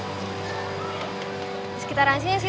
di sekitar asinnya sih